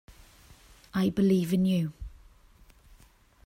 I believe in you.